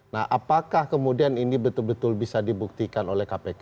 nah apakah kemudian ini betul betul bisa dibuktikan oleh kpk